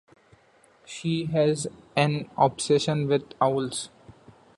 She has an obsession with owls.